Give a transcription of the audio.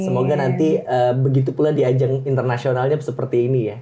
semoga nanti begitu pula di ajang internasionalnya seperti ini ya